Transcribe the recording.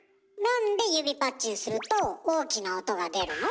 なんで指パッチンすると大きな音が出るの？